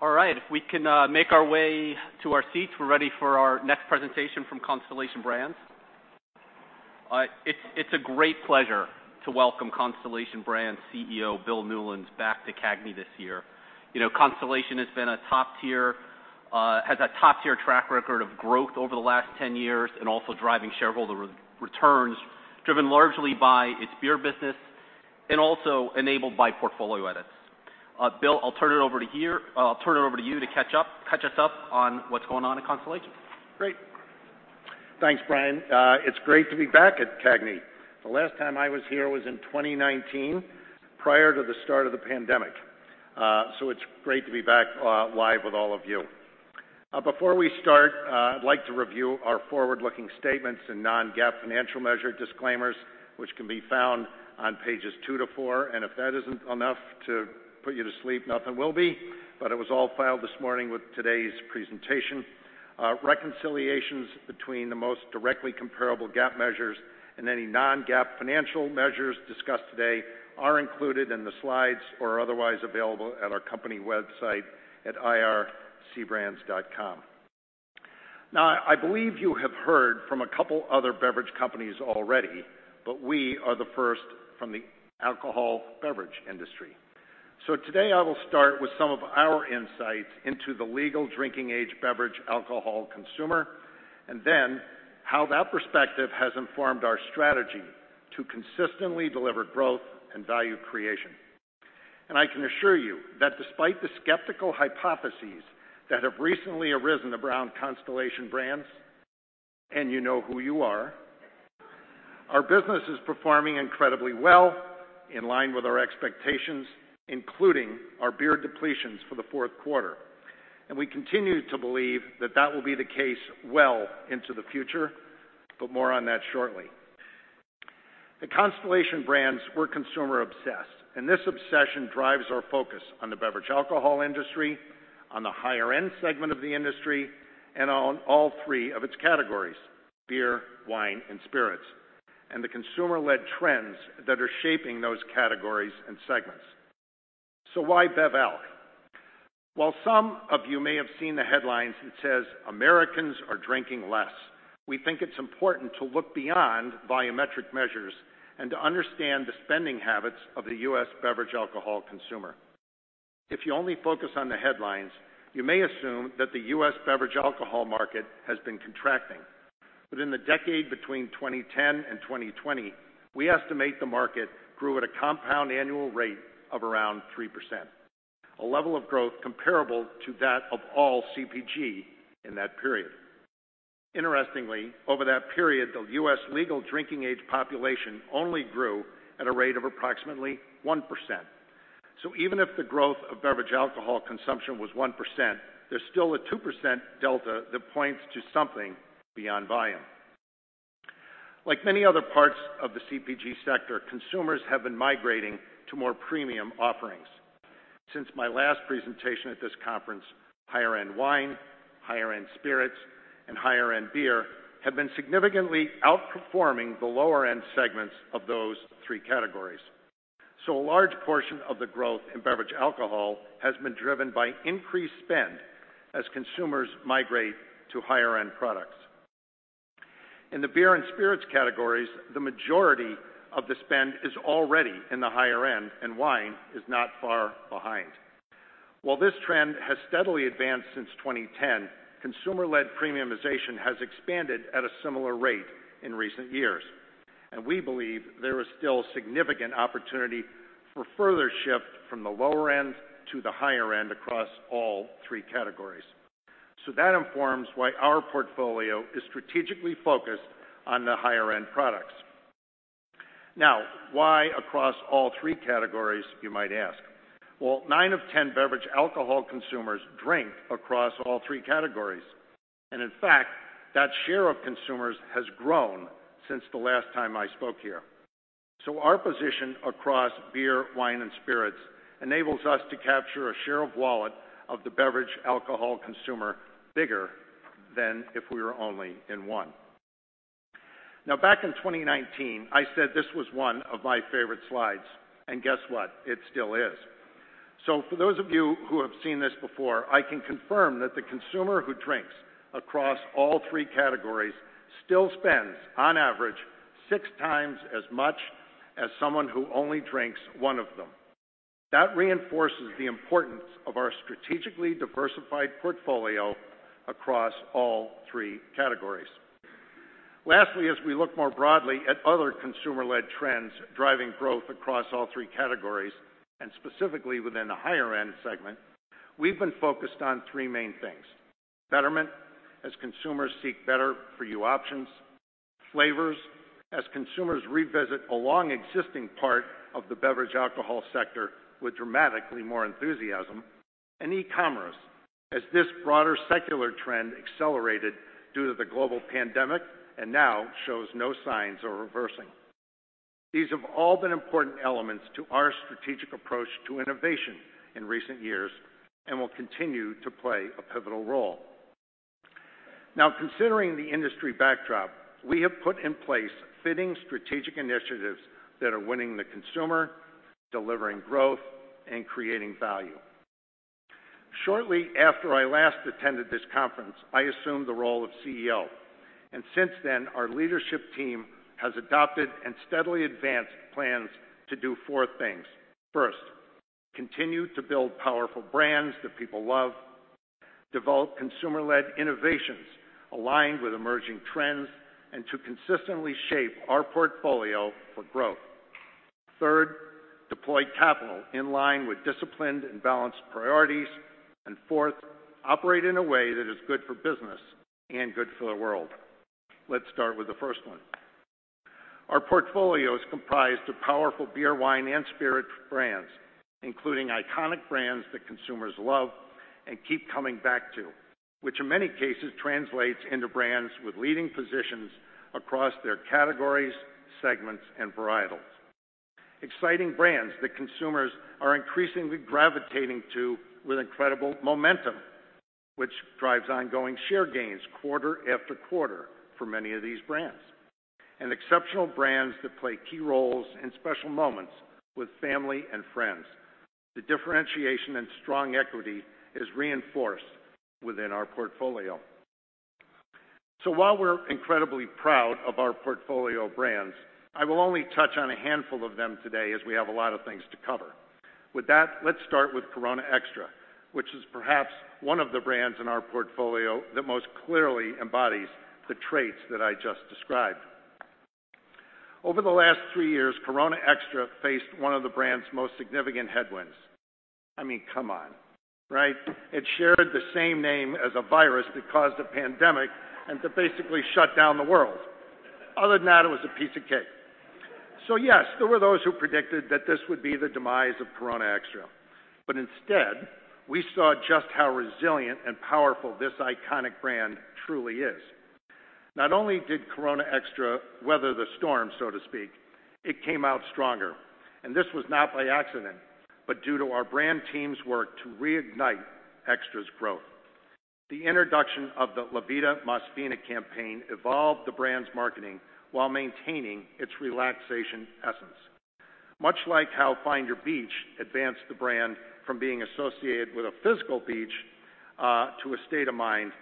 All right, if we can make our way to our seats, we're ready for our next presentation from Constellation Brands. It's a great pleasure to welcome Constellation Brands' CEO, Bill Newlands, back to CAGNY this year. You know, Constellation has been a top-tier track record of growth over the last 10 years and also driving shareholder re-returns, driven largely by its beer business and also enabled by portfolio edits. Bill, I'll turn it over to you to catch up, catch us up on what's going on at Constellation. Great. Thanks, Brian. It's great to be back at CAGNY. The last time I was here was in 2019 prior to the start of the pandemic, so it's great to be back live with all of you. Before we start, I'd like to review our forward-looking statements and non-GAAP financial measure disclaimers, which can be found on pages 2-4. If that isn't enough to put you to sleep, nothing will be, but it was all filed this morning with today's presentation. Reconciliations between the most directly comparable GAAP measures and any non-GAAP financial measures discussed today are included in the slides or are otherwise available at our company website at ir.cbrands.com. I believe you have heard from a couple other beverage companies already, but we are the first from the alcohol beverage industry. Today I will start with some of our insights into the legal drinking age beverage alcohol consumer, and then how that perspective has informed our strategy to consistently deliver growth and value creation. I can assure you that despite the skeptical hypotheses that have recently arisen around Constellation Brands, and you know who you are, our business is performing incredibly well, in line with our expectations, including our beer depletions for the fourth quarter. We continue to believe that that will be the case well into the future, but more on that shortly. At Constellation Brands, we're consumer obsessed. This obsession drives our focus on the beverage alcohol industry, on the higher-end segment of the industry, and on all three of its categories, Beer, Wine, and Spirits, and the consumer-led trends that are shaping those categories and segments. Why BevAlc? While some of you may have seen the headlines that says Americans are drinking less, we think it's important to look beyond biometric measures and to understand the spending habits of the U.S. beverage alcohol consumer. If you only focus on the headlines, you may assume that the U.S. beverage alcohol market has been contracting. But in the decade between 2010 and 2020, we estimate the market grew at a compound annual rate of around 3%, a level of growth comparable to that of all CPG in that period. So even if the growth of beverage alcohol consumption was 1%, there's still a 2% delta that points to something beyond volume. Like many other parts of the CPG sector, consumers have been migrating to more premium offerings. Since my last presentation at this conference, higher-end wine, higher-end spirits, and higher-end beer have been significantly outperforming the lower-end segments of those three categories. A large portion of the growth in beverage alcohol has been driven by increased spend as consumers migrate to higher-end products. In the Beer and Spirits categories, the majority of the spend is already in the higher end, and wine is not far behind. While this trend has steadily advanced since 2010, consumer-led premiumization has expanded at a similar rate in recent years, and we believe there is still significant opportunity for further shift from the lower end to the higher end across all three categories. That informs why our portfolio is strategically focused on the higher-end products. Now, why across all three categories, you might ask. Well, nine of 10 beverage alcohol consumers drink across all three categories. In fact, that share of consumers has grown since the last time I spoke here. Our position across Beer, Wine, and Spirits enables us to capture a share of wallet of the beverage alcohol consumer bigger than if we were only in one. Now, back in 2019, I said this was one of my favorite slides. Guess what? It still is. For those of you who have seen this before, I can confirm that the consumer who drinks across all three categories still spends, on average, six times as much as someone who only drinks one of them. That reinforces the importance of our strategically diversified portfolio across all three categories. Lastly, as we look more broadly at other consumer-led trends driving growth across all three categories, and specifically within the higher-end segment, we've been focused on three main things: betterment, as consumers seek better for you options; flavors, as consumers revisit a long existing part of the beverage alcohol sector with dramatically more enthusiasm; and e-commerce, as this broader secular trend accelerated due to the global pandemic and now shows no signs of reversing. These have all been important elements to our strategic approach to innovation in recent years and will continue to play a pivotal role. Considering the industry backdrop, we have put in place fitting strategic initiatives that are winning the consumer, delivering growth, and creating value. Shortly after I last attended this conference, I assumed the role of CEO. Since then, our leadership team has adopted and steadily advanced plans to do four things. First, continue to build powerful brands that people love, develop consumer-led innovations aligned with emerging trends, and to consistently shape our portfolio for growth. Third, deploy capital in line with disciplined and balanced priorities. Fourth, operate in a way that is good for business and good for the world. Let's start with the first one. Our portfolio is comprised of powerful Beer, Wine, and Spirit brands, including iconic brands that consumers love and keep coming back to, which in many cases translates into brands with leading positions across their categories, segments, and varietals. Exciting brands that consumers are increasingly gravitating to with incredible momentum, which drives ongoing share gains quarter after quarter for many of these brands. Exceptional brands that play key roles in special moments with family and friends. The differentiation and strong equity is reinforced within our portfolio. While we're incredibly proud of our portfolio brands, I will only touch on a handful of them today as we have a lot of things to cover. With that, let's start with Corona Extra, which is perhaps one of the brands in our portfolio that most clearly embodies the traits that I just described. Over the last three years, Corona Extra faced one of the brand's most significant headwinds. I mean, come on, right? It shared the same name as a virus that caused a pandemic and that basically shut down the world. Other than that, it was a piece of cake. Yes, there were those who predicted that this would be the demise of Corona Extra. Instead, we saw just how resilient and powerful this iconic brand truly is. Not only did Corona Extra weather the storm, so to speak, it came out stronger. This was not by accident, but due to our brand team's work to reignite Extra's growth. The introduction of the La Vida Más Fina campaign evolved the brand's marketing while maintaining its relaxation essence. Much like how Find Your Beach advanced the brand from being associated with a physical beach, to a state of mind,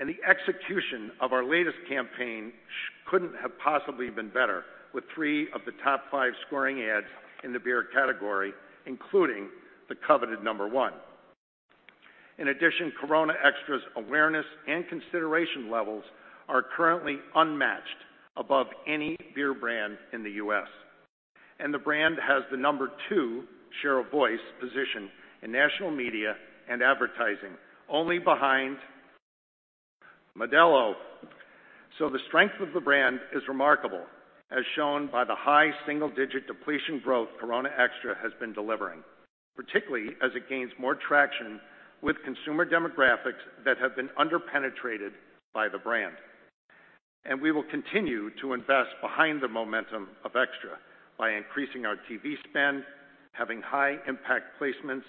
the execution of our latest campaign couldn't have possibly been better, with three of the top five scoring ads in the beer category, including the coveted number one. In addition, Corona Extra's awareness and consideration levels are currently unmatched above any beer brand in the U.S. The brand has the number two share of voice position in national media and advertising, only behind Modelo. The strength of the brand is remarkable, as shown by the high single-digit depletion growth Corona Extra has been delivering, particularly as it gains more traction with consumer demographics that have been under-penetrated by the brand. We will continue to invest behind the momentum of Extra by increasing our TV spend, having high impact placements,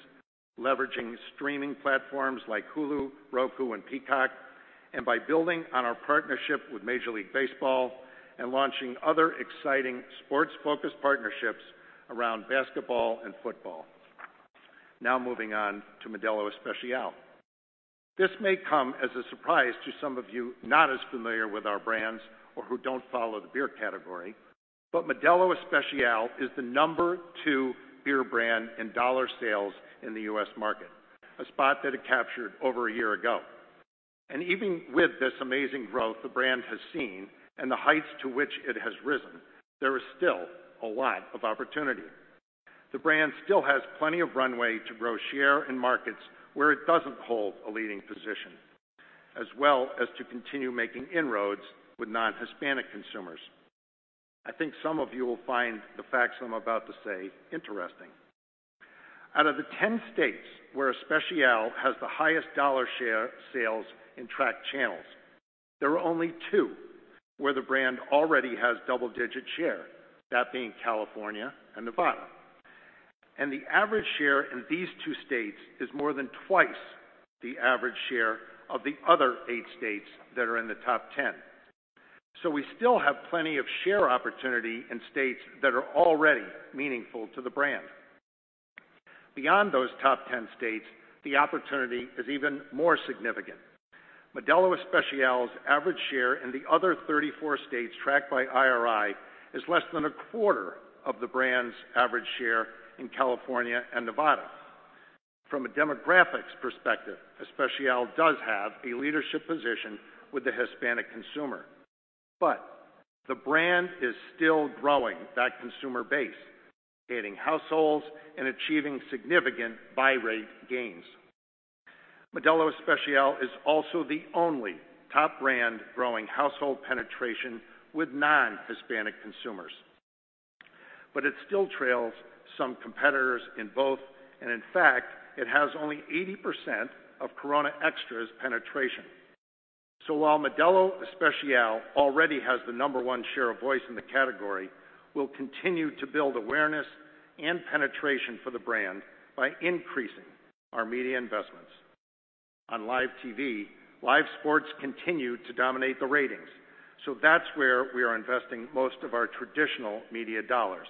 leveraging streaming platforms like Hulu, Roku, and Peacock, and by building on our partnership with Major League Baseball and launching other exciting sports-focused partnerships around basketball and football. Moving on to Modelo Especial. This may come as a surprise to some of you not as familiar with our brands or who don't follow the beer category, but Modelo Especial is the number two beer brand in dollar sales in the U.S. market, a spot that it captured over a year ago. Even with this amazing growth the brand has seen and the heights to which it has risen, there is still a lot of opportunity. The brand still has plenty of runway to grow share in markets where it doesn't hold a leading position, as well as to continue making inroads with non-Hispanic consumers. I think some of you will find the facts I'm about to say interesting. Out of the 10 states where Especial has the highest dollar share sales in tracked channels, there are only two where the brand already has double-digit share, that being California and Nevada. The average share in these two states is more than twice the average share of the other eight states that are in the top 10. We still have plenty of share opportunity in states that are already meaningful to the brand. Beyond those top 10 states, the opportunity is even more significant. Modelo Especial's average share in the other 34 states tracked by IRI is less than a quarter of the brand's average share in California and Nevada. From a demographics perspective, Especial does have a leadership position with the Hispanic consumer, but the brand is still growing that consumer base, gaining households, and achieving significant buy rate gains. Modelo Especial is also the only top brand growing household penetration with non-Hispanic consumers. It still trails some competitors in both, and in fact, it has only 80% of Corona Extra's penetration. While Modelo Especial already has the number one share of voice in the category, we'll continue to build awareness and penetration for the brand by increasing our media investments. On live TV, live sports continue to dominate the ratings, so that's where we are investing most of our traditional media dollars.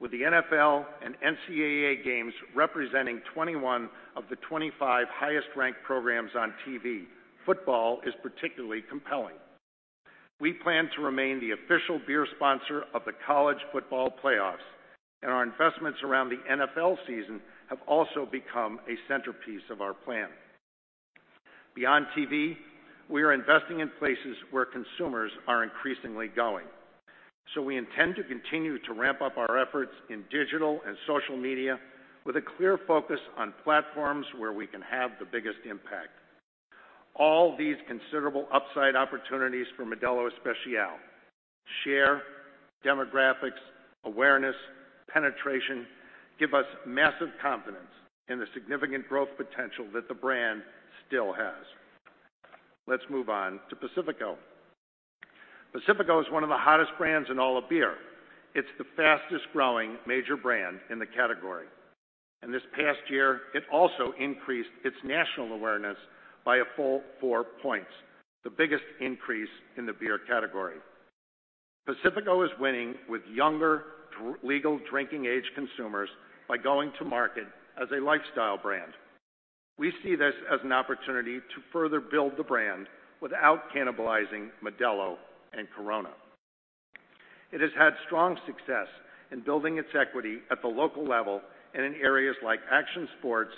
With the NFL and NCAA games representing 21 of the 25 highest ranked programs on TV, football is particularly compelling. We plan to remain the official beer sponsor of the college football playoffs, and our investments around the NFL season have also become a centerpiece of our plan. Beyond TV, we are investing in places where consumers are increasingly going. We intend to continue to ramp up our efforts in digital and social media with a clear focus on platforms where we can have the biggest impact. All these considerable upside opportunities for Modelo Especial: share, demographics, awareness, penetration, give us massive confidence in the significant growth potential that the brand still has. Let's move on to Pacifico. Pacifico is one of the hottest brands in all of beer. It's the fastest-growing major brand in the category. This past year, it also increased its national awareness by a full four points, the biggest increase in the beer category. Pacifico is winning with younger legal drinking age consumers by going to market as a lifestyle brand. We see this as an opportunity to further build the brand without cannibalizing Modelo and Corona. It has had strong success in building its equity at the local level and in areas like action sports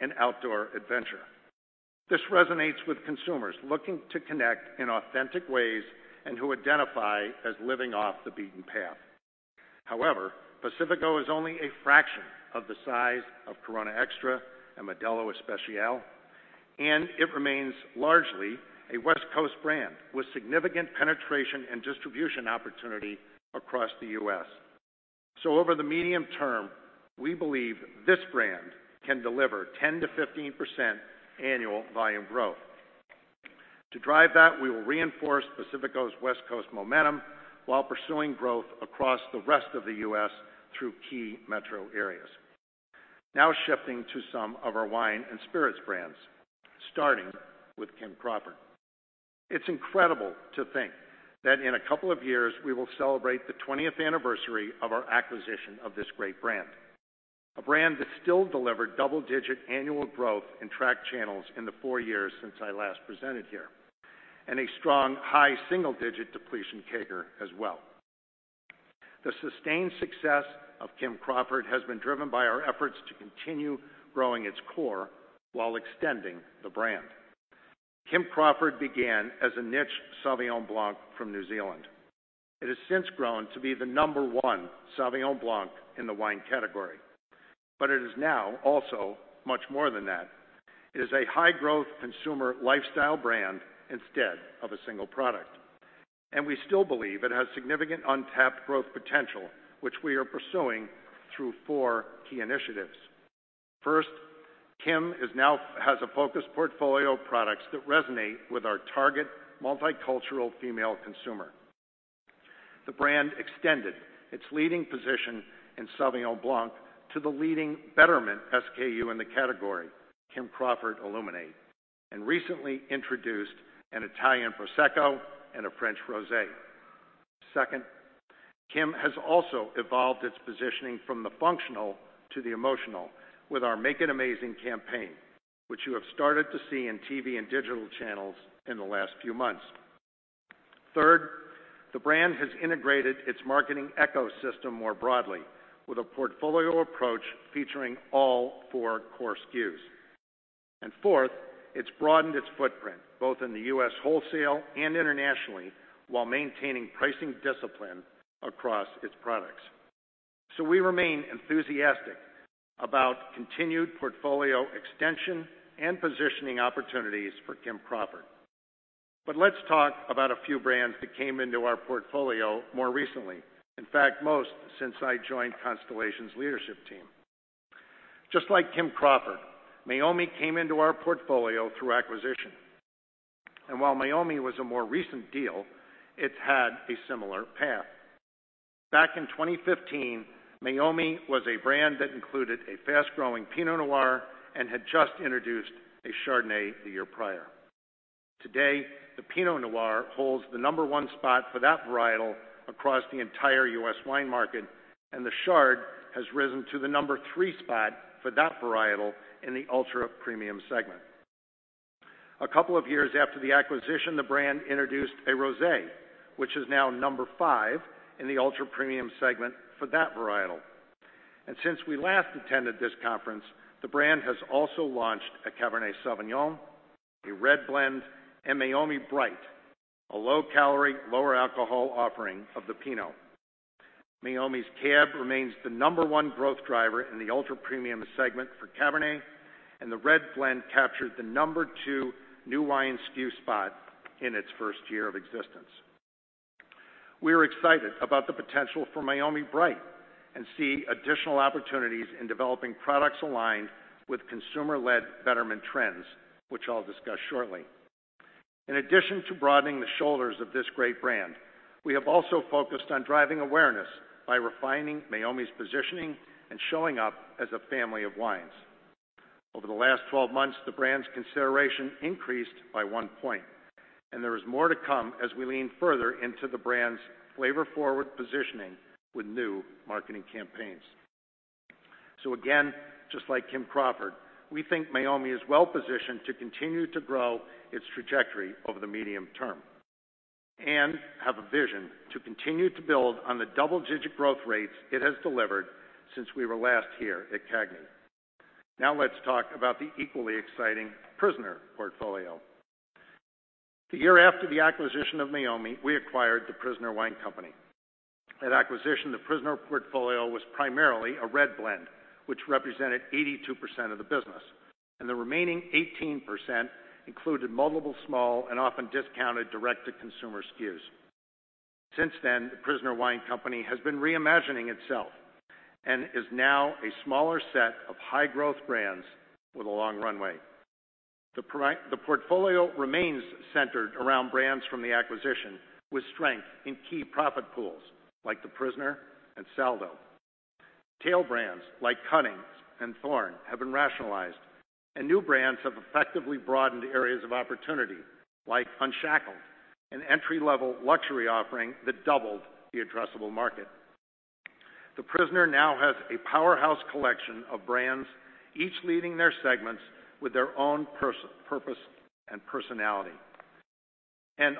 and outdoor adventure. This resonates with consumers looking to connect in authentic ways and who identify as living off the beaten path. Pacifico is only a fraction of the size of Corona Extra and Modelo Especial, and it remains largely a West Coast brand with significant penetration and distribution opportunity across the U.S. Over the medium term, we believe this brand can deliver 10%-15% annual volume growth. To drive that, we will reinforce Pacifico's West Coast momentum while pursuing growth across the rest of the U.S. through key metro areas. Shifting to some of our Wine and Spirits brands, starting with Kim Crawford. It's incredible to think that in a couple of years, we will celebrate the 20th anniversary of our acquisition of this great brand. A brand that still delivered double-digit annual growth in track channels in the four years since I last presented here, and a strong high single-digit depletion CAGR as well. The sustained success of Kim Crawford has been driven by our efforts to continue growing its core while extending the brand. Kim Crawford began as a niche Sauvignon Blanc from New Zealand. It has since grown to be the number one Sauvignon Blanc in the wine category. It is now also much more than that. It is a high-growth consumer lifestyle brand instead of a single product. We still believe it has significant untapped growth potential, which we are pursuing through four key initiatives. First, Kim has a focused portfolio of products that resonate with our target multicultural female consumer. The brand extended its leading position in Sauvignon Blanc to the leading betterment SKU in the category, Kim Crawford Illuminate, and recently introduced an Italian Prosecco and a French Rosé. Second, Kim has also evolved its positioning from the functional to the emotional with our Make It Amazing campaign, which you have started to see in TV and digital channels in the last few months. Third, the brand has integrated its marketing ecosystem more broadly with a portfolio approach featuring all four core SKUs. Fourth, it's broadened its footprint, both in the U.S. wholesale and internationally, while maintaining pricing discipline across its products. We remain enthusiastic about continued portfolio extension and positioning opportunities for Kim Crawford. Let's talk about a few brands that came into our portfolio more recently. In fact, most since I joined Constellation's leadership team. Just like Kim Crawford, Meiomi came into our portfolio through acquisition. While Meiomi was a more recent deal, it's had a similar path. Back in 2015, Meiomi was a brand that included a fast-growing Pinot Noir and had just introduced a Chardonnay the year prior. Today, the Pinot Noir holds the number one spot for that varietal across the entire U.S. wine market, and the Chard has risen to the number three spot for that varietal in the ultra-premium segment. A couple of years after the acquisition, the brand introduced a Rosé, which is now number five in the ultra-premium segment for that varietal. Since we last attended this conference, the brand has also launched a Cabernet Sauvignon, a Red Blend, and Meiomi Bright, a low-calorie, lower alcohol offering of the Pinot. Meiomi's Cab remains the number one growth driver in the ultra-premium segment for Cabernet, and the red blend captured the number two new wine SKU spot in its first year of existence. We're excited about the potential for Meiomi Bright and see additional opportunities in developing products aligned with consumer-led betterment trends, which I'll discuss shortly. In addition to broadening the shoulders of this great brand, we have also focused on driving awareness by refining Meiomi's positioning and showing up as a family of wines. Over the last 12 months, the brand's consideration increased by one point, and there is more to come as we lean further into the brand's flavor-forward positioning with new marketing campaigns. Again, just like Kim Crawford, we think Meiomi is well positioned to continue to grow its trajectory over the medium term, and have a vision to continue to build on the double-digit growth rates it has delivered since we were last here at CAGNY. Let's talk about the equally exciting Prisoner portfolio. The year after the acquisition of Meiomi, we acquired The Prisoner Wine Company. At acquisition, The Prisoner portfolio was primarily a red blend, which represented 82% of the business. The remaining 18% included multiple small and often discounted DTC SKUs. Since then, The Prisoner Wine Company has been reimagining itself and is now a smaller set of high-growth brands with a long runway. The portfolio remains centered around brands from the acquisition with strength in key profit pools like The Prisoner and SALDO. Tail brands like Cuttings and Thorn have been rationalized. New brands have effectively broadened areas of opportunity, like Unshackled, an entry-level luxury offering that doubled the addressable market. The Prisoner now has a powerhouse collection of brands, each leading their segments with their own purpose and personality.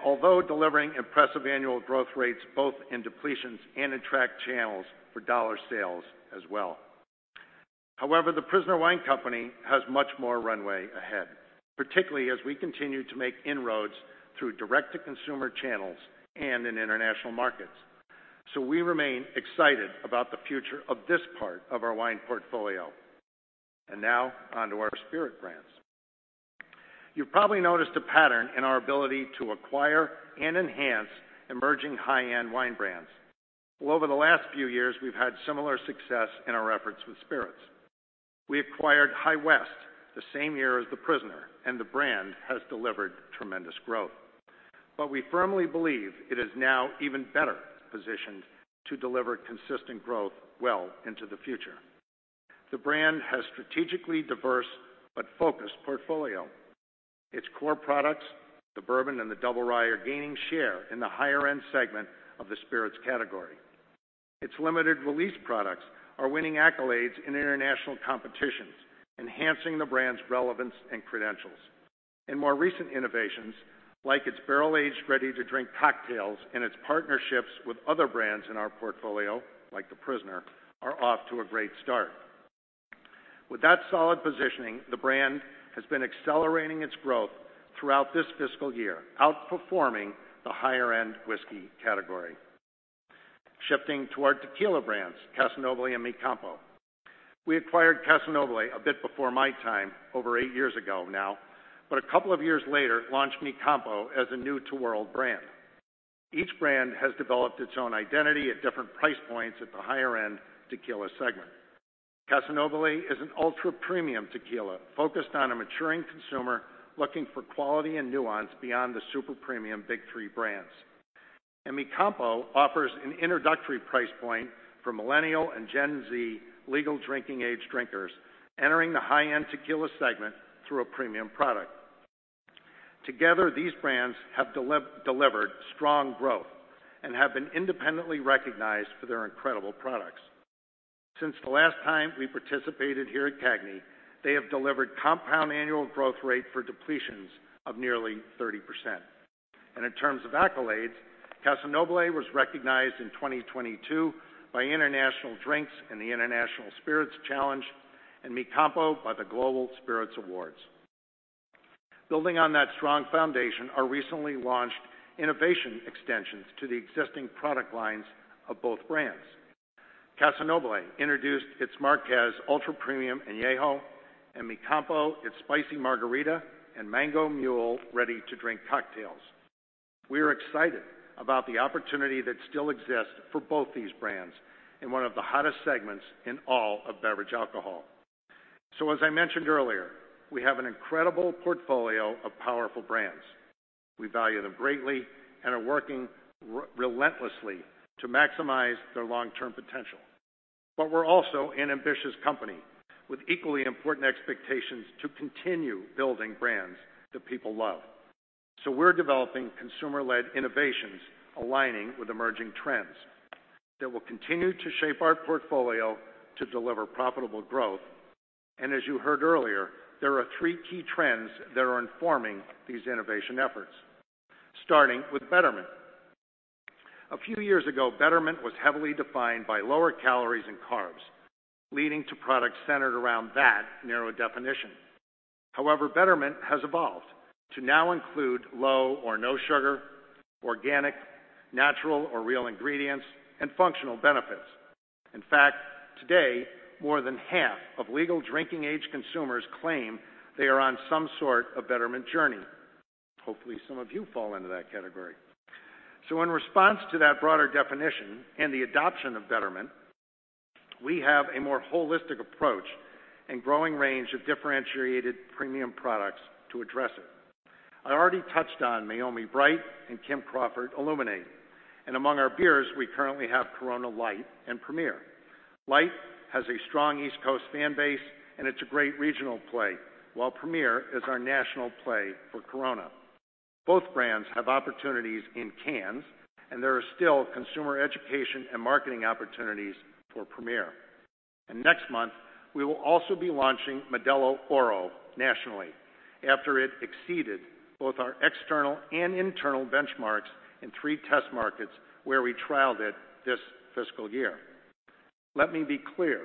Although delivering impressive annual growth rates, both in depletions and in track channels for dollar sales as well. The Prisoner Wine Company has much more runway ahead, particularly as we continue to make inroads through direct-to-consumer channels and in international markets. We remain excited about the future of this part of our wine portfolio. Now on to our Spirit brands. You've probably noticed a pattern in our ability to acquire and enhance emerging high-end wine brands. Well, over the last few years, we've had similar success in our efforts with spirits. We acquired High West the same year as The Prisoner, and the brand has delivered tremendous growth. We firmly believe it is now even better positioned to deliver consistent growth well into the future. The brand has strategically diverse but focused portfolio. Its core products, the Bourbon and the Double Rye, are gaining share in the higher-end segment of the spirits category. Its limited release products are winning accolades in international competitions, enhancing the brand's relevance and credentials. More recent innovations, like its Barrel Aged, ready-to-drink cocktails and its partnerships with other brands in our portfolio, like The Prisoner, are off to a great start. With that solid positioning, the brand has been accelerating its growth throughout this fiscal year, outperforming the higher-end whiskey category. Shifting to our tequila brands, Casa Noble and Mi CAMPO. We acquired Casa Noble a bit before my time, over eight years ago now. A couple of years later, Mi CAMPO as a new-to-world brand. Each brand has developed its own identity at different price points at the higher-end tequila segment. Casa Noble is an ultra-premium tequila focused on a maturing consumer looking for quality and nuance beyond the super premium big three brands. Mi CAMPO offers an introductory price point for Millennial and Gen Z legal drinking age drinkers entering the high-end tequila segment through a premium product. Together, these brands have delivered strong growth and have been independently recognized for their incredible products. Since the last time we participated here at CAGNY, they have delivered compound annual growth rate for depletions of nearly 30%. In terms of accolades, Casa Noble was recognized in 2022 by International Drinks in the International Spirits Challenge, and Mi CAMPO by the Global Spirits Awards. Building on that strong foundation are recently launched innovation extensions to the existing product lines of both brands. Casa Noble introduced its Marqués Ultra Premium Añejo, Mi CAMPO, its Spicy Margarita and Mango Mule ready-to-drink cocktails. We are excited about the opportunity that still exists for both these brands in one of the hottest segments in all of beverage alcohol. As I mentioned earlier, we have an incredible portfolio of powerful brands. We value them greatly and are working relentlessly to maximize their long-term potential. We're also an ambitious company with equally important expectations to continue building brands that people love. We're developing consumer-led innovations aligning with emerging trends that will continue to shape our portfolio to deliver profitable growth. As you heard earlier, there are three key trends that are informing these innovation efforts, starting with betterment. A few years ago, betterment was heavily defined by lower calories and carbs, leading to products centered around that narrow definition. However, betterment has evolved to now include low or no sugar, organic, natural or real ingredients, and functional benefits. In fact, today, more than half of legal drinking age consumers claim they are on some sort of betterment journey. Hopefully, some of you fall into that category. In response to that broader definition and the adoption of betterment, We have a more holistic approach and growing range of differentiated premium products to address it. I already touched on Meiomi Bright and Kim Crawford Illuminate. Among our beers, we currently have Corona Light and Premier. Light has a strong East Coast fan base, and it's a great regional play, while Premier is our national play for Corona. Both brands have opportunities in cans, and there are still consumer education and marketing opportunities for Premier. Next month, we will also be launching Modelo Oro nationally after it exceeded both our external and internal benchmarks in three test markets where we trialed it this fiscal year. Let me be clear,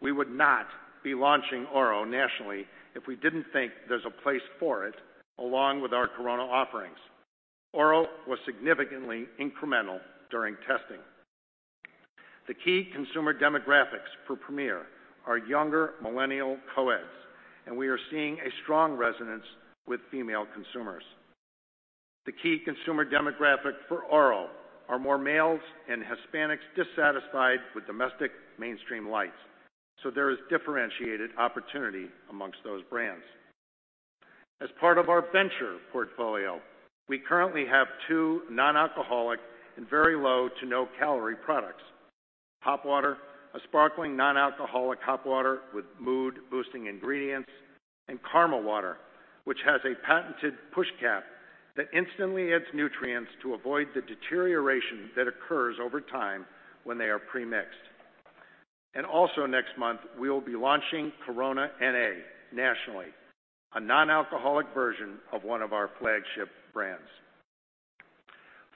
we would not be launching Oro nationally if we didn't think there's a place for it along with our Corona offerings. Oro was significantly incremental during testing. The key consumer demographics for Corona Premier are younger Millennial co-eds, and we are seeing a strong resonance with female consumers. The key consumer demographic for Oro are more males and Hispanics dissatisfied with domestic mainstream lights. There is differentiated opportunity amongst those brands. As part of our venture portfolio, we currently have two non-alcoholic and very low to no-calorie products. HOP WTR, a sparkling non-alcoholic hop water with mood-boosting ingredients, and Karma Water, which has a patented push cap that instantly adds nutrients to avoid the deterioration that occurs over time when they are premixed. Next month, we will be launching Corona NA nationally, a non-alcoholic version of one of our flagship brands.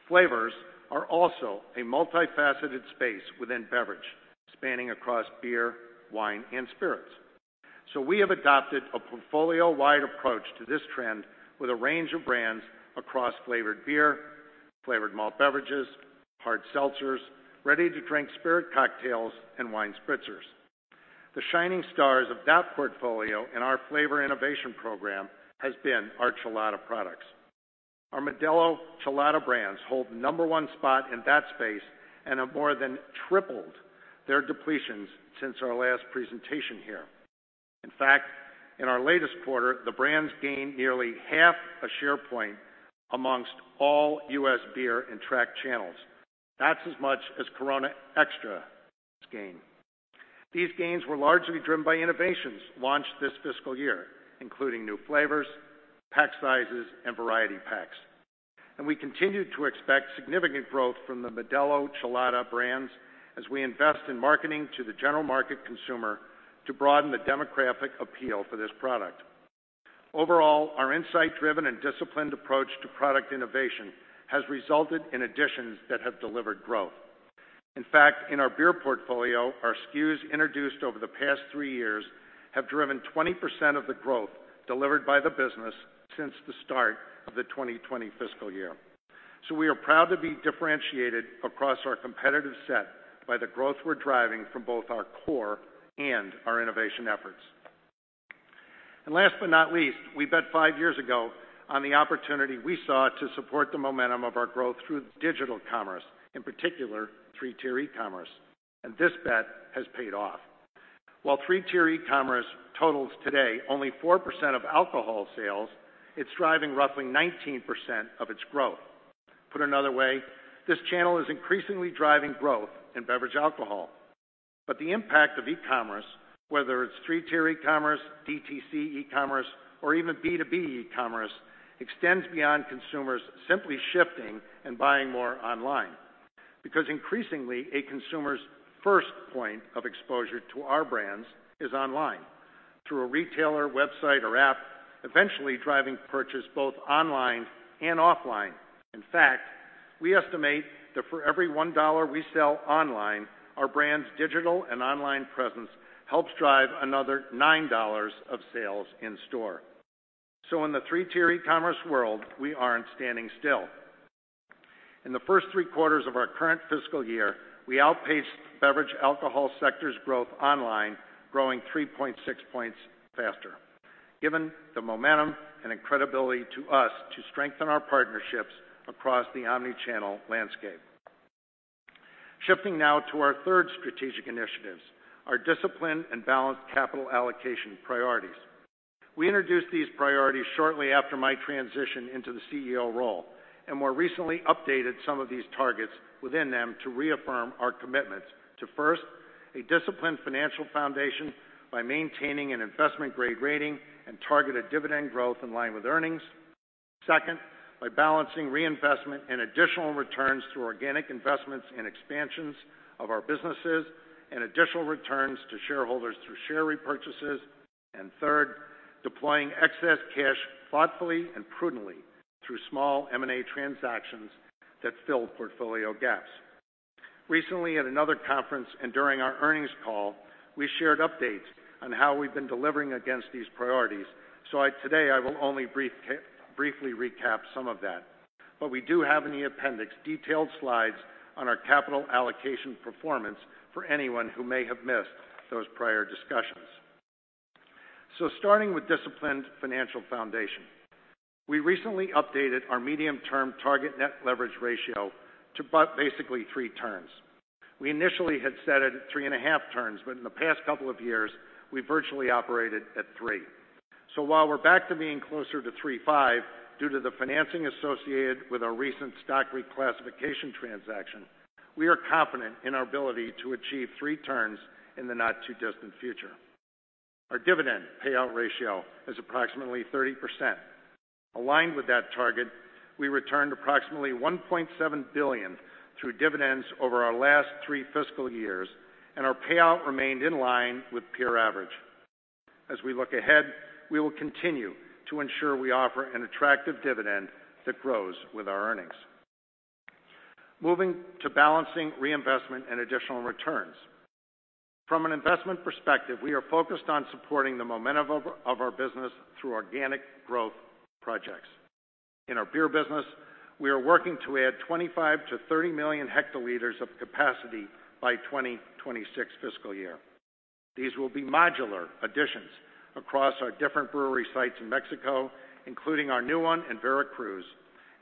Flavors are also a multifaceted space within beverage, spanning across Beer, Wine, and Spirits. So we have adopted a portfolio-wide approach to this trend with a range of brands across flavored beer, flavored malt beverages, hard seltzers, ready-to-drink spirit cocktails, and wine spritzers. The shining stars of that portfolio in our flavor innovation program has been our Chelada products. Our Modelo Chelada brands hold number one spot in that space and have more than tripled their depletions since our last presentation here. In fact, in our latest quarter, the brands gained nearly 1/2 a share point amongst all U.S. beer in tracked channels. That's as much as Corona Extra's gain. These gains were largely driven by innovations launched this fiscal year, including new flavors, pack sizes, and variety packs. We continue to expect significant growth from the Modelo Chelada brands as we invest in marketing to the general market consumer to broaden the demographic appeal for this product. Overall, our insight-driven and disciplined approach to product innovation has resulted in additions that have delivered growth. In fact, in our beer portfolio, our SKUs introduced over the past three years have driven 20% of the growth delivered by the business since the start of the 2020 fiscal year. We are proud to be differentiated across our competitive set by the growth we're driving from both our core and our innovation efforts. Last but not least, we bet five years ago on the opportunity we saw to support the momentum of our growth through digital commerce, in particular, three-tier e-commerce. This bet has paid off. While 3-tier e-commerce totals today only 4% of alcohol sales, it's driving roughly 19% of its growth. Put another way, this channel is increasingly driving growth in beverage alcohol. The impact of e-commerce, whether it's 3-tier e-commerce, DTC e-commerce, or even B2B e-commerce, extends beyond consumers simply shifting and buying more online. Increasingly, a consumer's first point of exposure to our brands is online through a retailer website or app, eventually driving purchase both online and offline. In fact, we estimate that for every $1 we sell online, our brand's digital and online presence helps drive another $9 of sales in store. In the 3-tier e-commerce world, we aren't standing still. In the first three quarters of our current fiscal year, we outpaced beverage alcohol sector's growth online, growing 3.6 points faster, given the momentum and credibility to us to strengthen our partnerships across the omnichannel landscape. Shifting now to our third strategic initiatives, our discipline and balanced capital allocation priorities. We introduced these priorities shortly after my transition into the CEO role, and more recently updated some of these targets within them to reaffirm our commitments to, first, a disciplined financial foundation by maintaining an investment-grade rating and targeted dividend growth in line with earnings. Second, by balancing reinvestment and additional returns through organic investments and expansions of our businesses, and additional returns to shareholders through share repurchases. Third, deploying excess cash thoughtfully and prudently through small M&A transactions that fill portfolio gaps. Recently, at another conference and during our earnings call, we shared updates on how we've been delivering against these priorities. Today, I will only briefly recap some of that. We do have in the appendix detailed slides on our capital allocation performance for anyone who may have missed those prior discussions. Starting with disciplined financial foundation. We recently updated our medium-term target net leverage ratio to about basically three turns. We initially had set it at 3.5 turns, but in the past couple of years, we've virtually operated at three. While we're back to being closer to 3.5 due to the financing associated with our recent stock reclassification transaction, we are confident in our ability to achieve three turns in the not too distant future. Our dividend payout ratio is approximately 30%. Aligned with that target, we returned approximately $1.7 billion through dividends over our last three fiscal years, and our payout remained in line with peer average. Moving to balancing reinvestment and additional returns. From an investment perspective, we are focused on supporting the momentum of our business through organic growth projects. In our Beer business, we are working to add 25-30 million hectoliters of capacity by 2026 fiscal year. These will be modular additions across our different brewery sites in Mexico, including our new one in Veracruz,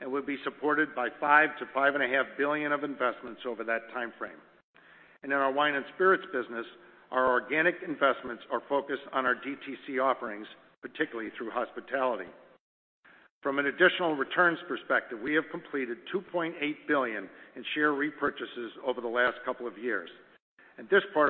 and will be supported by $5 billion-$5.5 billion of investments over that timeframe. In our Wine and Spirits business, our organic investments are focused on our DTC offerings, particularly through hospitality. From an additional returns perspective, we have completed $2.8 billion in share repurchases over the last couple of years. This was part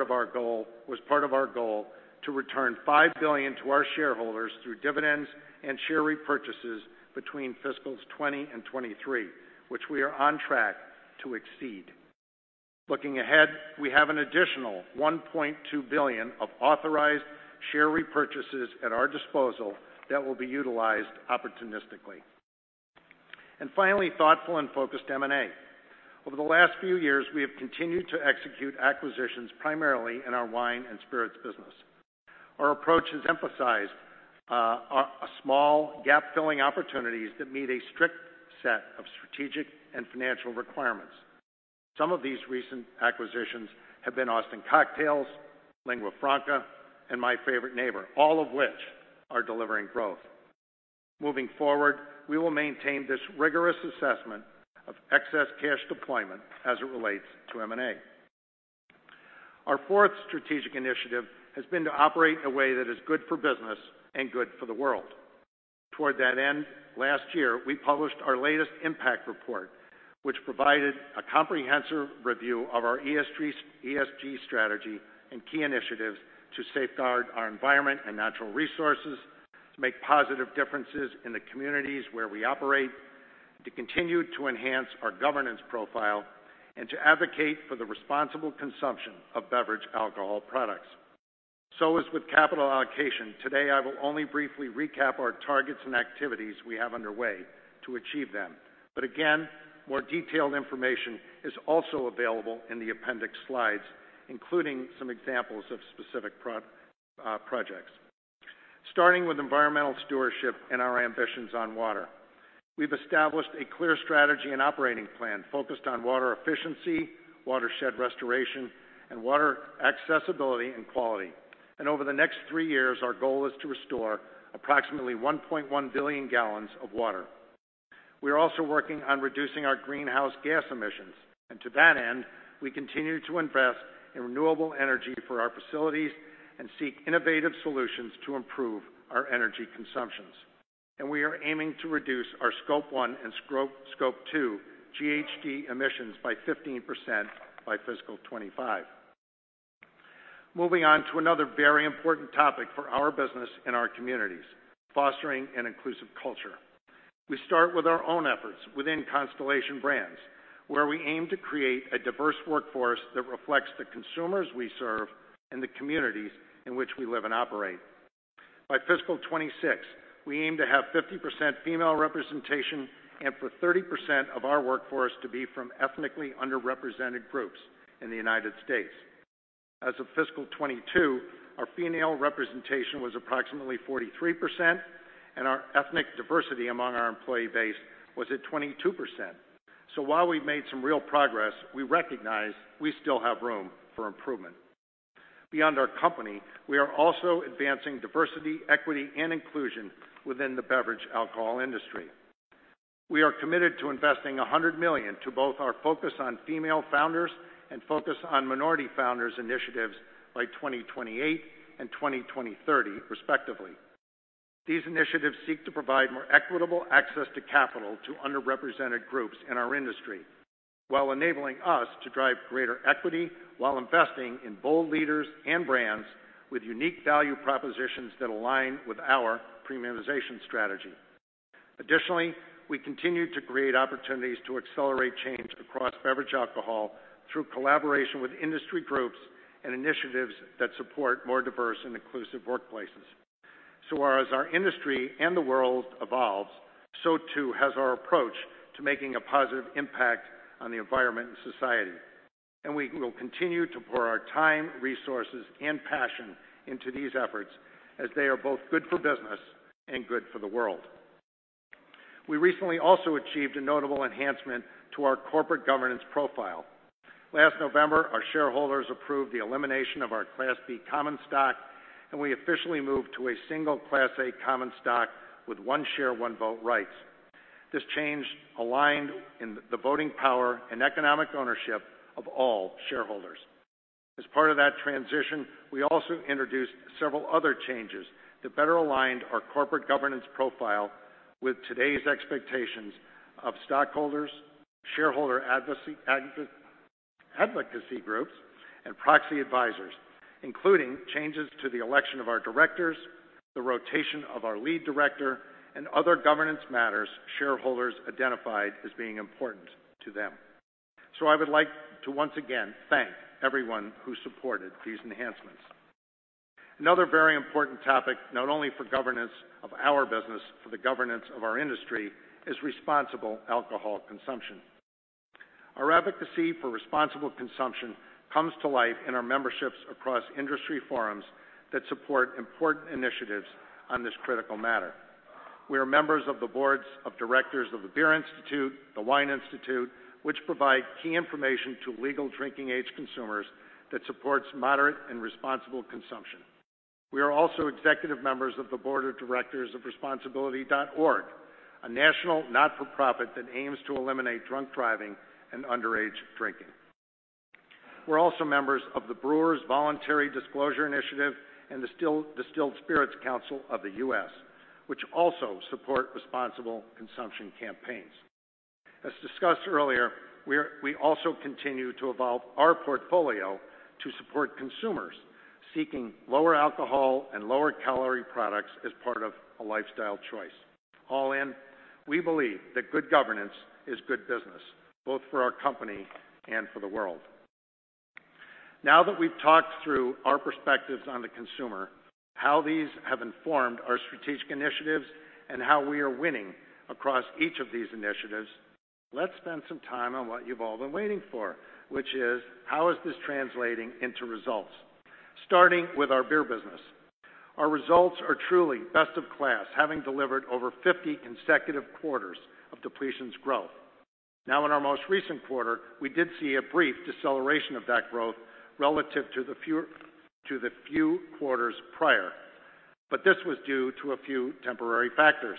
of our goal to return $5 billion to our shareholders through dividends and share repurchases between fiscals 2020 and 2023, which we are on track to exceed. Looking ahead, we have an additional $1.2 billion of authorized share repurchases at our disposal that will be utilized opportunistically. Finally, thoughtful and focused M&A. Over the last few years, we have continued to execute acquisitions primarily in our Wine and Spirits business. Our approach has emphasized small gap-filling opportunities that meet a strict set of strategic and financial requirements. Some of these recent acquisitions have been Austin Cocktails, Lingua Franca, and My Favorite Neighbor, all of which are delivering growth. Moving forward, we will maintain this rigorous assessment of excess cash deployment as it relates to M&A. Our fourth strategic initiative has been to operate in a way that is good for business and good for the world. Toward that end, last year, we published our latest impact report, which provided a comprehensive review of our ESG strategy and key initiatives to safeguard our environment and natural resources, to make positive differences in the communities where we operate, to continue to enhance our governance profile, and to advocate for the responsible consumption of beverage alcohol products. As with capital allocation, today, I will only briefly recap our targets and activities we have underway to achieve them. Again, more detailed information is also available in the appendix slides, including some examples of specific projects. Starting with environmental stewardship and our ambitions on water. We've established a clear strategy and operating plan focused on water efficiency, watershed restoration, and water accessibility and quality. Over the next three years, our goal is to restore approximately 1.1 billion gal of water. We are also working on reducing our greenhouse gas emissions. To that end, we continue to invest in renewable energy for our facilities and seek innovative solutions to improve our energy consumptions. We are aiming to reduce our Scope 1 and Scope 2 GHG emissions by 15% by fiscal 2025. Moving on to another very important topic for our business and our communities, fostering an inclusive culture. We start with our own efforts within Constellation Brands, where we aim to create a diverse workforce that reflects the consumers we serve and the communities in which we live and operate. By fiscal 2026, we aim to have 50% female representation and for 30% of our workforce to be from ethnically underrepresented groups in the United States. As of fiscal 2022, our female representation was approximately 43%, and our ethnic diversity among our employee base was at 22%. While we've made some real progress, we recognize we still have room for improvement. Beyond our company, we are also advancing diversity, equity, and inclusion within the beverage alcohol industry. We are committed to investing $100 million to both our Focus on Female Founders and Focus on Minority Founders initiatives by 2028 and 2030, respectively. These initiatives seek to provide more equitable access to capital to underrepresented groups in our industry, while enabling us to drive greater equity while investing in bold leaders and brands with unique value propositions that align with our premiumization strategy. Additionally, we continue to create opportunities to accelerate change across beverage alcohol through collaboration with industry groups and initiatives that support more diverse and inclusive workplaces. Whereas our industry and the world evolves, so too has our approach to making a positive impact on the environment and society. We will continue to pour our time, resources, and passion into these efforts as they are both good for business and good for the world. We recently also achieved a notable enhancement to our corporate governance profile. Last November, our shareholders approved the elimination of our Class B common stock, and we officially moved to a single Class A common stock with one share, one vote rights. This change aligned in the voting power and economic ownership of all shareholders. As part of that transition, we also introduced several other changes that better aligned our corporate governance profile with today's expectations of stockholders, shareholder advocacy groups, and proxy advisors, including changes to the election of our directors, the rotation of our lead director, and other governance matters shareholders identified as being important to them. I would like to once again thank everyone who supported these enhancements. Another very important topic, not only for governance of our business, for the governance of our industry, is responsible alcohol consumption. Our advocacy for responsible consumption comes to life in our memberships across industry forums that support important initiatives on this critical matter. We are members of the boards of directors of the Beer Institute, the Wine Institute, which provide key information to legal drinking age consumers that supports moderate and responsible consumption. We are also executive members of the board of directors of Responsibility.org, a national not-for-profit that aims to eliminate drunk driving and underage drinking. We're also members of the Brewers' Voluntary Disclosure Initiative and the Distilled Spirits Council of the US, which also support responsible consumption campaigns. As discussed earlier, we also continue to evolve our portfolio to support consumers seeking lower alcohol and lower calorie products as part of a lifestyle choice. All in, we believe that good governance is good business, both for our company and for the world. Now that we've talked through our perspectives on the consumer, how these have informed our strategic initiatives, and how we are winning across each of these initiatives, let's spend some time on what you've all been waiting for, which is how is this translating into results? Starting with our beer business. Our results are truly best in class, having delivered over 50 consecutive quarters of depletions growth. In our most recent quarter, we did see a brief deceleration of that growth relative to the few quarters prior, this was due to a few temporary factors.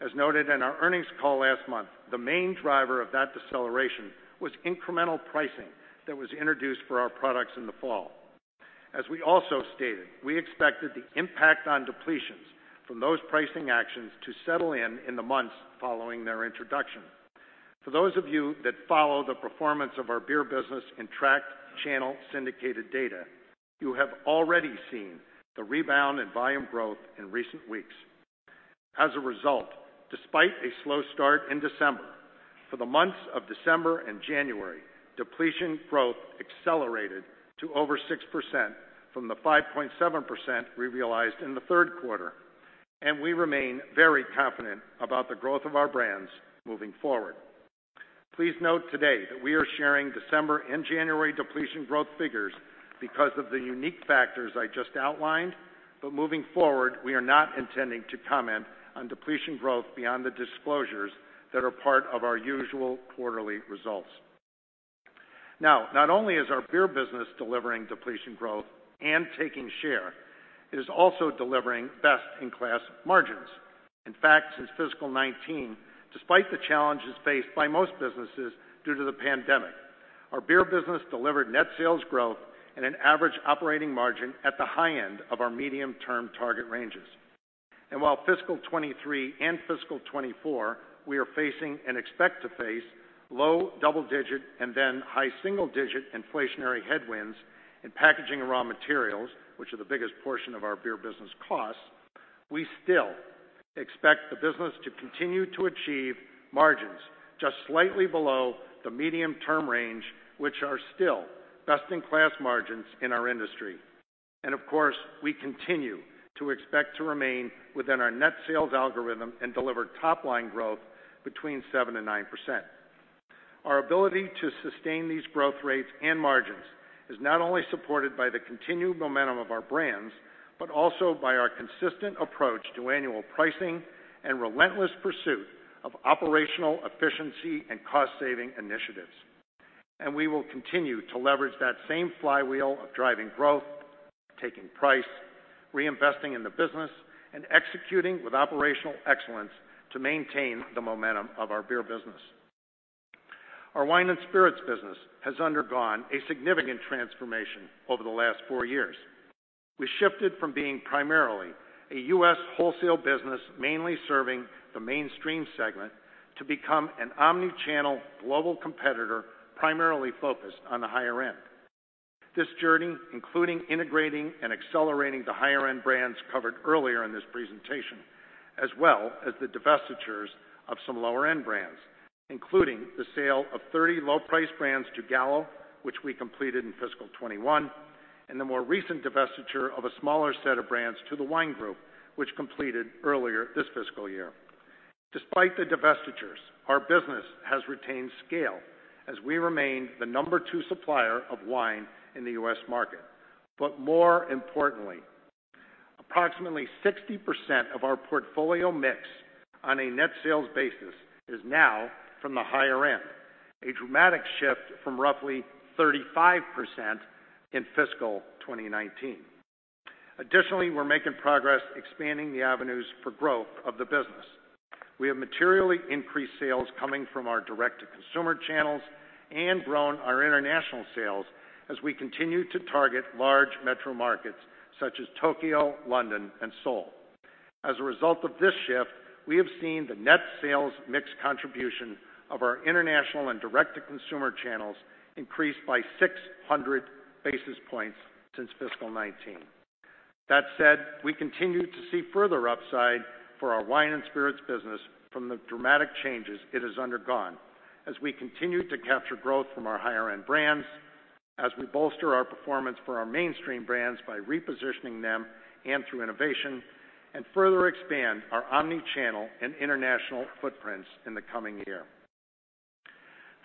As noted in our earnings call last month, the main driver of that deceleration was incremental pricing that was introduced for our products in the fall. As we also stated, we expected the impact on depletions from those pricing actions to settle in in the months following their introduction. For those of you that follow the performance of our beer business in tracked channel syndicated data, you have already seen the rebound in volume growth in recent weeks. As a result, despite a slow start in December, for the months of December and January, depletion growth accelerated to over 6% from the 5.7% we realized in the third quarter, and we remain very confident about the growth of our brands moving forward. Please note today that we are sharing December and January depletion growth figures because of the unique factors I just outlined, but moving forward, we are not intending to comment on depletion growth beyond the disclosures that are part of our usual quarterly results. Not only is our beer business delivering depletion growth and taking share, it is also delivering best-in-class margins. In fact, since fiscal 2019, despite the challenges faced by most businesses due to the pandemic, our beer business delivered net sales growth and an average operating margin at the high end of our medium-term target ranges. While fiscal 2023 and fiscal 2024, we are facing and expect to face low double-digit and then high single-digit inflationary headwinds in packaging raw materials, which are the biggest portion of our beer business costs, we still expect the business to continue to achieve margins just slightly below the medium-term range, which are still best-in-class margins in our industry. Of course, we continue to expect to remain within our net sales algorithm and deliver top-line growth between 7% and 9%. Our ability to sustain these growth rates and margins is not only supported by the continued momentum of our brands, but also by our consistent approach to annual pricing and relentless pursuit of operational efficiency and cost saving initiatives. We will continue to leverage that same flywheel of driving growth, taking price, reinvesting in the business, and executing with operational excellence to maintain the momentum of our beer business. Our Wine and Spirits business has undergone a significant transformation over the last four years. We shifted from being primarily a U.S. wholesale business, mainly serving the mainstream segment, to become an omnichannel global competitor, primarily focused on the higher end. This journey, including integrating and accelerating the higher end brands covered earlier in this presentation, as well as the divestitures of some lower end brands, including the sale of 30 low price brands to Gallo, which we completed in fiscal 2021, and the more recent divestiture of a smaller set of brands to The Wine Group, which completed earlier this fiscal year. Despite the divestitures, our business has retained scale as we remain the number two supplier of wine in the U.S. market. More importantly, approximately 60% of our portfolio mix on a net sales basis is now from the higher end, a dramatic shift from roughly 35% in fiscal 2019. Additionally, we're making progress expanding the avenues for growth of the business. We have materially increased sales coming from our direct-to-consumer channels and grown our international sales as we continue to target large metro markets such as Tokyo, London, and Seoul. As a result of this shift, we have seen the net sales mix contribution of our international and direct-to-consumer channels increase by 600 basis points since fiscal 2019. That said, we continue to see further upside for our wine and spirits business from the dramatic changes it has undergone as we continue to capture growth from our higher end brands, as we bolster our performance for our mainstream brands by repositioning them and through innovation, and further expand our omnichannel and international footprints in the coming year.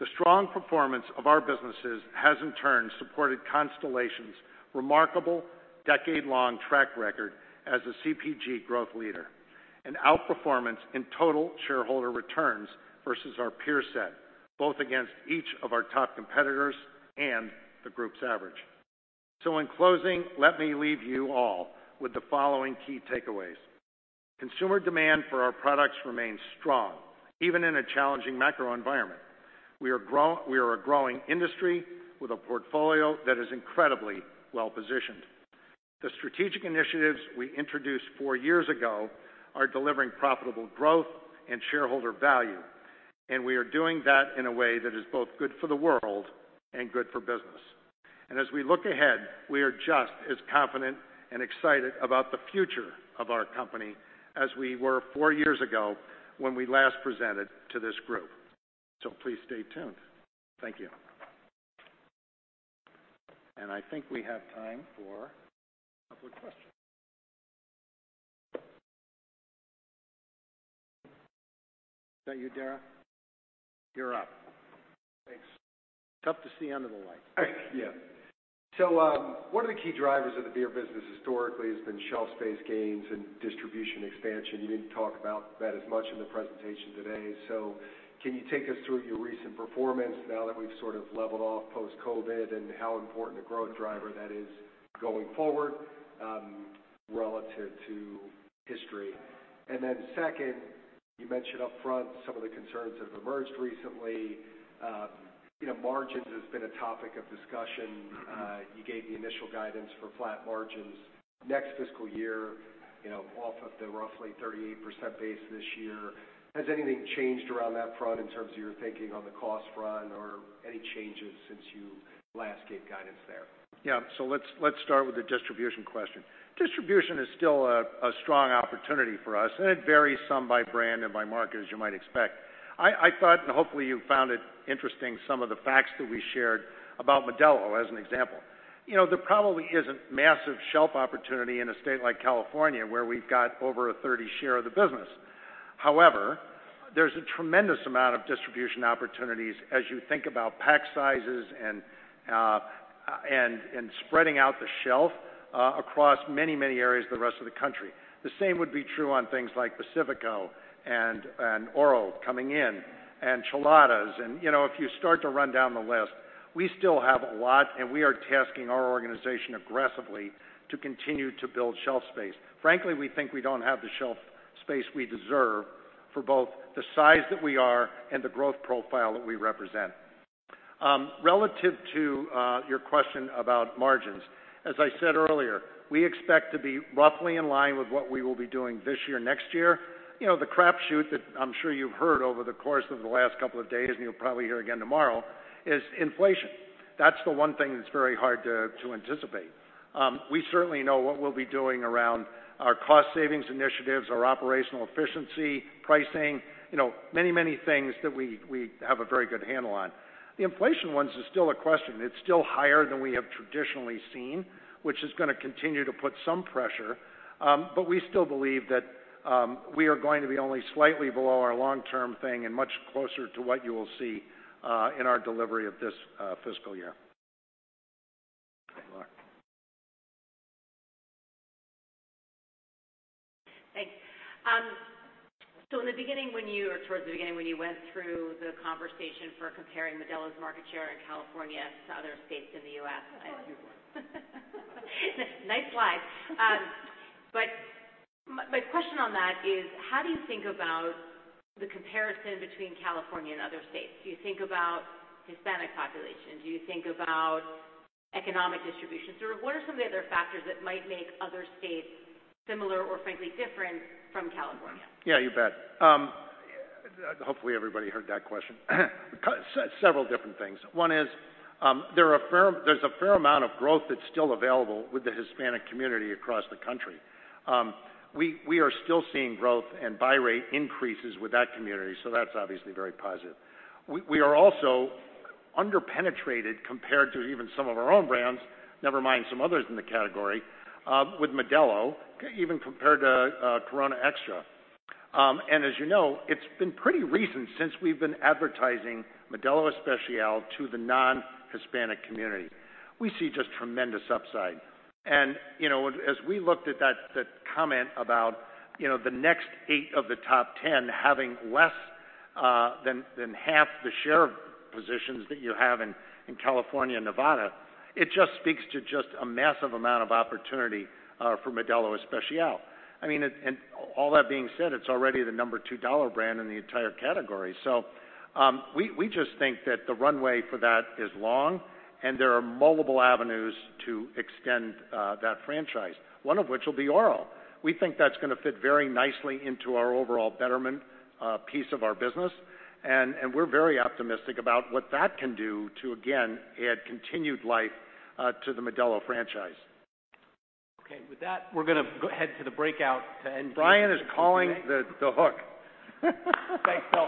The strong performance of our businesses has in turn supported Constellation's remarkable decade-long track record as a CPG growth leader, and outperformance in total shareholder returns versus our peer set, both against each of our top competitors and the group's average. In closing, let me leave you all with the following key takeaways. Consumer demand for our products remains strong, even in a challenging macro environment. We are a growing industry with a portfolio that is incredibly well-positioned. The strategic initiatives we introduced four years ago are delivering profitable growth and shareholder value, and we are doing that in a way that is both good for the world and good for business. As we look ahead, we are just as confident and excited about the future of our company as we were four years ago when we last presented to this group. Please stay tuned. Thank you. I think we have time for a couple of questions. Is that you, Dara? You're up. Thanks. Tough to see under the light. One of the key drivers of the beer business historically has been shelf space gains and distribution expansion. You didn't talk about that as much in the presentation today, so can you take us through your recent performance now that we've sort of leveled off post-COVID, and how important a growth driver that is going forward, relative to history? Second, you mentioned upfront some of the concerns that have emerged recently. You know, margins has been a topic of discussion. You gave the initial guidance for flat margins next fiscal year, you know, off of the roughly 38% base this year. Has anything changed around that front in terms of your thinking on the cost front or any changes since you last gave guidance there? Let's, let's start with the distribution question. Distribution is still a strong opportunity for us, and it varies some by brand and by market, as you might expect. I thought, and hopefully you found it interesting, some of the facts that we shared about Modelo, as an example. You know, there probably isn't massive shelf opportunity in a state like California, where we've got over a 30 share of the business. However, there's a tremendous amount of distribution opportunities as you think about pack sizes and spreading out the shelf across many, many areas of the rest of the country. The same would be true on things like Pacifico and Oro coming in, and Cheladas. You know, if you start to run down the list, we still have a lot, and we are tasking our organization aggressively to continue to build shelf space. Frankly, we think we don't have the shelf space we deserve for both the size that we are and the growth profile that we represent. Relative to your question about margins, as I said earlier, we expect to be roughly in line with what we will be doing this year, next year. The crapshoot that I'm sure you've heard over the course of the last couple of days, and you'll probably hear again tomorrow, is inflation. That's the one thing that's very hard to anticipate. We certainly know what we'll be doing around our cost savings initiatives, our operational efficiency, pricing, you know, many things that we have a very good handle on. The inflation ones is still a question. It's still higher than we have traditionally seen, which is gonna continue to put some pressure. We still believe that we are going to be only slightly below our long-term thing and much closer to what you will see in our delivery of this fiscal year. Mark. Thanks. In the beginning, when you went through the conversation for comparing Modelo's market share in California to other states in the U.S.... That's why you won. Nice slide. My question on that is, how do you think about the comparison between California and other states? Do you think about Hispanic population? Do you think about economic distribution? Sort of what are some of the other factors that might make other states similar or frankly different from California? Yeah, you bet. Hopefully, everybody heard that question. Several different things. One is, there's a fair amount of growth that's still available with the Hispanic community across the country. We are still seeing growth and buy rate increases with that community, so that's obviously very positive. We are also under-penetrated compared to even some of our own brands, never mind some others in the category, with Modelo, even compared to Corona Extra. As you know, it's been pretty recent since we've been advertising Modelo Especial to the non-Hispanic community. We see just tremendous upside. You know, as we looked at that comment about, you know, the next eight of the top 10 having less than half the share of positions that you have in California and Nevada, it just speaks to just a massive amount of opportunity for Modelo Especial. I mean, and all that being said, it's already the number two dollar brand in the entire category. We just think that the runway for that is long and there are multiple avenues to extend that franchise, one of which will be Oro. We think that's gonna fit very nicely into our overall betterment piece of our business. We're very optimistic about what that can do to, again, add continued life to the Modelo franchise. Okay. With that, we're gonna go ahead to the breakout to. Brian is calling the hook. Thanks, Bill.